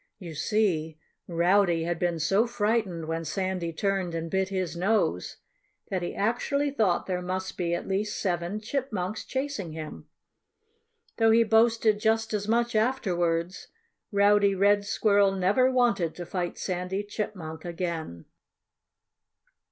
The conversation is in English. You see, Rowdy had been so frightened when Sandy turned and bit his nose that he actually thought there must be at least seven chipmunks chasing him. Though he boasted just as much afterwards, Rowdy Red Squirrel never wanted to fight Sandy Chipmunk again.